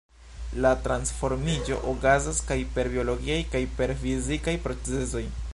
La transformiĝo okazas kaj per biologiaj kaj per fizikaj procezoj.